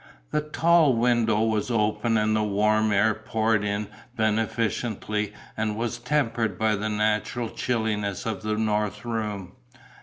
The tall window was open and the warm air poured in beneficently and was tempered by the natural chilliness of the north room.